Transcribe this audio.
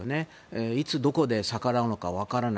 いつ、どこで逆らうのかも分からない。